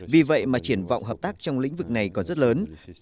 vì vậy mà triển vọng hợp tác trong lĩnh vực này còn rất lớn